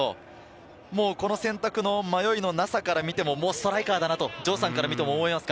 この選択の迷いのなさから見てもストライカーだなと城さんから見ても思いますか？